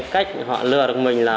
cách họ lừa được mình là